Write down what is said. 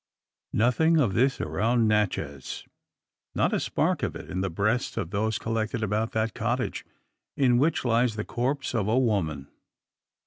Nothing of this around Natchez not a spark of it in the breasts of those collected about that cottage, in which lies the corpse of a woman.